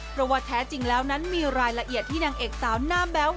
เพราะว่าแท้จริงแล้วนั้นมีรายละเอียดที่นางเอกสาวหน้าแบ๊ว